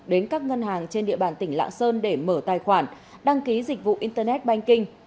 đến các ngân hàng trên địa bàn tỉnh lạng sơn để mở tài khoản đăng ký dịch vụ internet banking